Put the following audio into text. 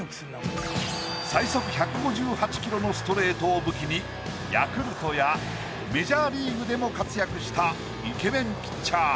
最速１５８キロのストレートを武器に「ヤクルト」やメジャーリーグでも活躍したイケメンピッチャー。